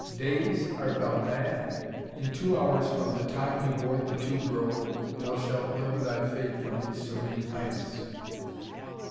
"Days? Art thou mad? In two hours from the time we board the tube road thou shalt learn thy fate from his Serene Highness."